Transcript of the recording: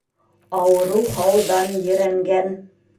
Ауырыу һауҙан ерәнгән.